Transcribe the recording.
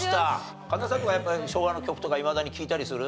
神田さんとかやっぱ昭和の曲とかいまだに聴いたりする？